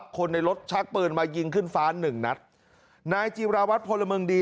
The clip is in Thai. คนในรถชักปืนมายิงขึ้นฟ้าหนึ่งนัดนายจีราวัตรพลเมืองดี